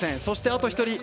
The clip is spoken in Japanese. そして、あと１人。